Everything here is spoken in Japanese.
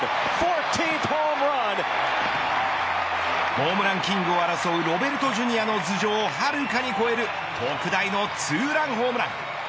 ホームランキングを争うロベルトＪｒ．の頭上をはるかに越える特大の２ランホームラン。